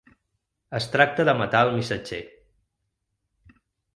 Es tracta de matar el missatger.